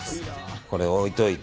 これを置いといて。